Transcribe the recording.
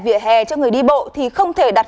vỉa hè cho người đi bộ thì không thể đặt